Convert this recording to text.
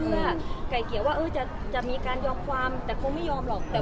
เพื่อไก่เกลียว่าจะมีการยอมความแต่คงไม่ยอมหรอก